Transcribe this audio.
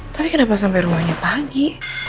tapi kenapa sampai rumahnya pagi